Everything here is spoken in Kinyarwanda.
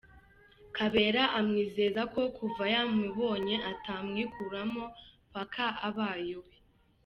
Kabera amwizeza ko kuva yamubonye atamwikuramo paka abaye uwe!.